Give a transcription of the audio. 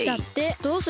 どうする？